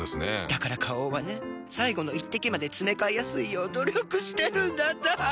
だから花王はね最後の一滴までつめかえやすいよう努力してるんだって。